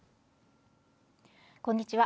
こんにちは。